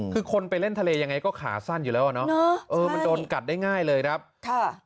คือคนไปเล่นทะเลยังไงก็ขาสั้นอยู่แล้วอ่ะเนอะเออมันโดนกัดได้ง่ายเลยครับค่ะ